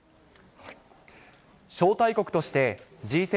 招待国として、Ｇ７